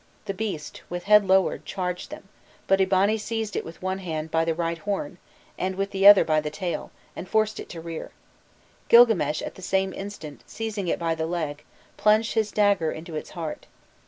The beast with head lowered charged them; but Eabani seized it with one hand by the right horn, and with the other by the tail, and forced it to rear. Gilgames at the same instant, seizing it by the leg, plunged his dagger into its heart.